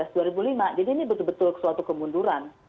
jadi ini betul betul suatu kemunduran